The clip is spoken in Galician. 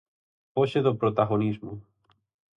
Foxe do protagonismo.